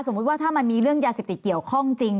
สมมุติว่าถ้ามันมีเรื่องยาสิทธิเกี่ยวข้องจริง